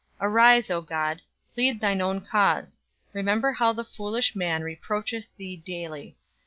Arise, O God, plead thine own cause: remember how the foolish man reproacheth thee daily.